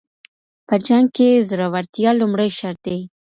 په جنګ کي زړورتیا لومړی شرط دی.